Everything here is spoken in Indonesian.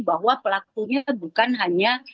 bahwa pelakunya bukan hanya